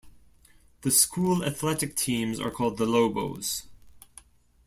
The school athletic teams are called the Lobos.